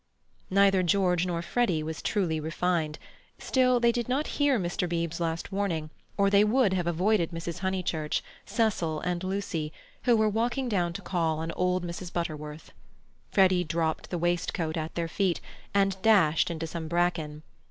_" Neither George nor Freddy was truly refined. Still, they did not hear Mr. Beebe's last warning or they would have avoided Mrs. Honeychurch, Cecil, and Lucy, who were walking down to call on old Mrs. Butterworth. Freddy dropped the waistcoat at their feet, and dashed into some bracken.